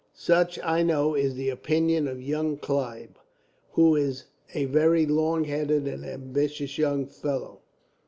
"Such, I know, is the opinion of young Clive, who is a very long headed and ambitious young fellow.